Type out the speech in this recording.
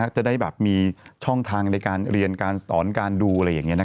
จะได้แบบมีช่องทางเรียนการสอนการดู